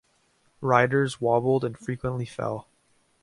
Riders wobbled and frequently fell.